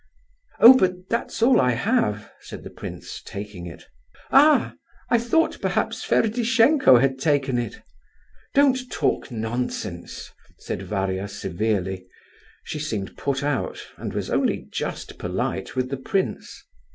"Oh! but that's all I have," said the prince, taking it. "Ah! I thought perhaps Ferdishenko had taken it." "Don't talk nonsense," said Varia, severely. She seemed put out, and was only just polite with the prince.